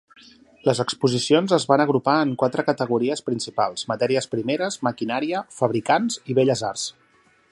Les exposicions es van agrupar en quatre categories principals: matèries primeres, maquinària, fabricants i belles arts.